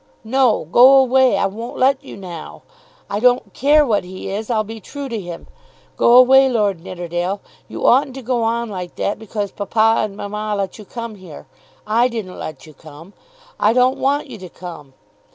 No; go away. I won't let you now. I don't care what he is; I'll be true to him. Go away, Lord Nidderdale. You oughtn't to go on like that because papa and mamma let you come here. I didn't let you come. I don't want you to come.